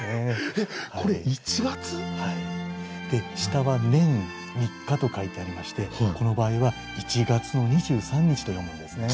えっこれ一月？で下は「年三日」と書いてありましてこの場合は一月の二十三日と読むんですね。